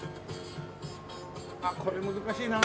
あっこれ難しいな。